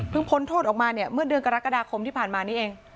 พ้นโทษออกมาเนี่ยเมื่อเดือนกรกฎาคมที่ผ่านมานี้เอง